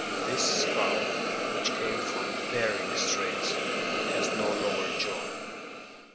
This skull, which came from Behring Straits, has no lower jaw.